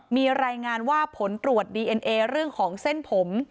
มีรายงานว่าผลตรวจดีเอ็นเอเรื่องของเส้นผม